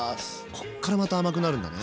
こっからまた甘くなるんだね。